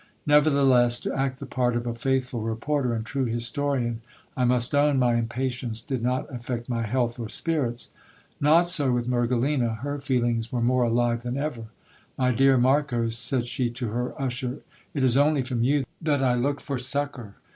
Nevertheless, to act the part of a faithful reporter and true historian, I must own my impatience did not affect my health or spirits. Not so with Mergelina, her feelings were more alive than ever. My dear Mar cos, said she to her usher, it is only from you that I look for succour.